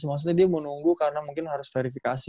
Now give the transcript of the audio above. maksudnya dia mau nunggu karena mungkin harus verifikasi